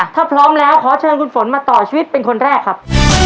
ถ้าพร้อมแล้วขอเชิญคุณฝนมาต่อชีวิตเป็นคนแรกครับ